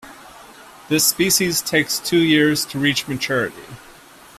This species takes two years to reach maturity.